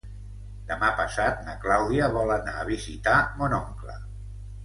Demà passat na Clàudia vol anar a visitar mon oncle.